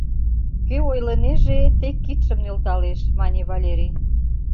— Кӧ ойлынеже, тек кидшым нӧлталеш, — мане Валерий.